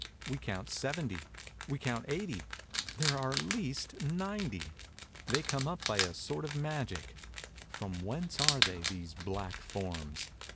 We count seventy; we count eighty; there are at least ninety. They come up by a sort of magic. From whence are they, these black forms?